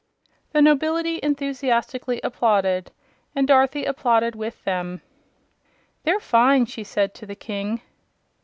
The nobility enthusiastically applauded, and Dorothy applauded with them. "They're fine!" she said to the King.